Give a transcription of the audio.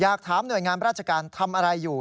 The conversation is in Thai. อยากถามหน่วยงานราชการทำอะไรอยู่